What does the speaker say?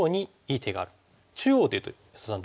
中央っていうと安田さん